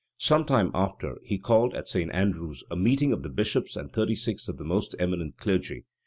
Some time after, he called, at St. Andrew's, a meeting of the bishops and thirty six of the most eminent clergy.